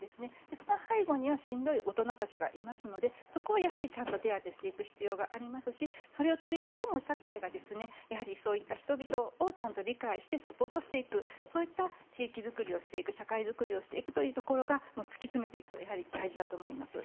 その背後にはしんどい大人たちがいますのでそこはちゃんと手当てしていく必要があると思いますしそれを取り囲む社会がそういった人々をちゃんと理解してサポートしていくそういった地域作りをしていく社会づくりをしていくところが突き詰めていくと大事だと思います。